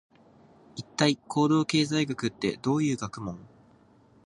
一体、行動経済学ってどういう学問？